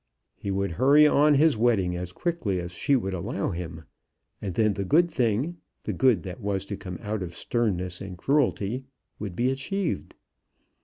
He would hurry on his wedding as quickly as she would allow him, and then the good thing the good that was to come out of sternness and cruelty would be achieved.